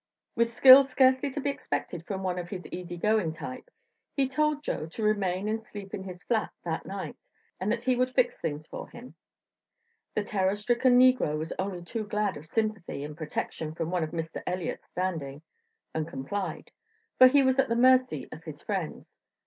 With skill scarcely to be expected from one of his easy going type, he told Joe to remain and sleep in his flat that night and that he would fix things for him. The terror stricken negro was only too glad of sympathy and protection from one of Mr. Elliott's standing, and complied; for he was at the mercy of his friends.